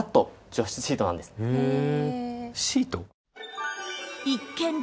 へえ。